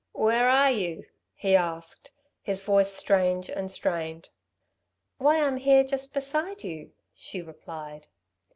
"Where are you?" he asked, his voice strange and strained. "Why, I'm here just beside you," she replied.